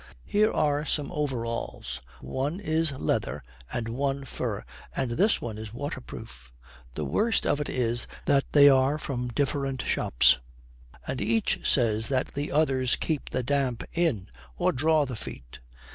Here are some overalls. One is leather and one fur, and this one is waterproof. The worst of it is that they are from different shops, and each says that the others keep the damp in, or draw the feet.